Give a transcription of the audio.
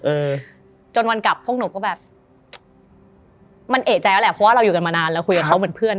เออจนวันกลับพวกหนูก็แบบมันเอกใจแล้วแหละเพราะว่าเราอยู่กันมานานแล้วคุยกับเขาเหมือนเพื่อน